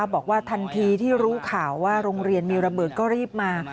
บอกว่าทันทีที่รู้ข่าวว่าโรงเรียนมีระเบิดก็รีบมา